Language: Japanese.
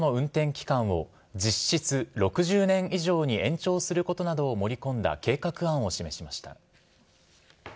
経済産業省は、原子力発電所の運転期間を、実質６０年以上に延長することなどを盛り込んだ計画案を示しました。